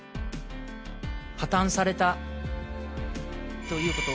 破綻されたということを。